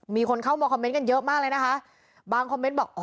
มีคนเข้ามาคอมเมนต์กันเยอะมากเลยนะคะบางคอมเมนต์บอกอ๋